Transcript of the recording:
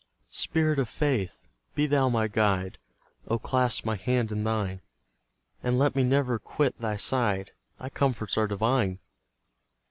Spirit of Faith! be thou my guide, O clasp my hand in thine, And let me never quit thy side; Thy comforts are divine!